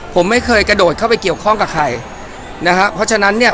ผมไม่เคยกระโดดเข้าไปเกี่ยวข้องกับใครนะฮะเพราะฉะนั้นเนี่ย